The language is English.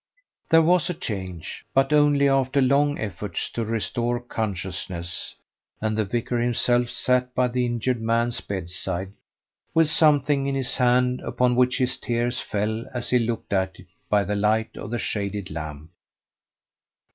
There was a change, but only after long efforts to restore consciousness; and the vicar himself sat by the injured man's bedside, with something in his hand upon which his tears fell as he looked at it by the light of the shaded lamp.